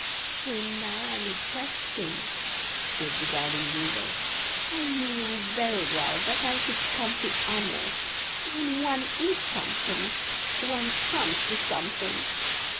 "So, now I'm a breast pin!" said the Darning needle. "I knew very well that I should come to honor: when one is something, one comes to something!"